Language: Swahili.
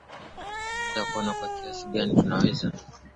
tunaanza kuona ni kiasi gani tunaweza tukapata njaa ndio nchi zetu za afrika